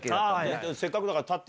せっかくだから立って。